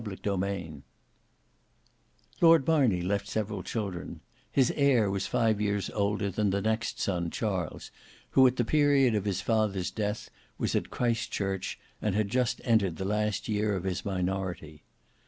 Book 1 Chapter 5 Lord Marney left several children; his heir was five years older than the next son Charles who at the period of his father's death was at Christchurch and had just entered the last year of his minority.